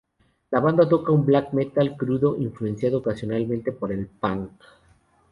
La banda toca un black metal crudo influenciado ocasionalmente por el punk.